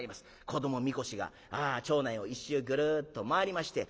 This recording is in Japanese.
子ども神輿が町内を一周ぐるっと回りまして